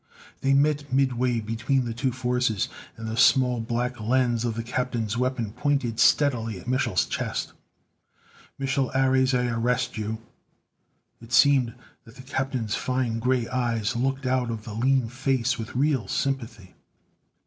They met midway between the two forces, and the small black lens of the captain's weapon pointed steadily at Mich'l's chest. "Mich'l Ares, I arrest you." It seemed that the captain's fine gray eyes looked out of the lean face with real sympathy.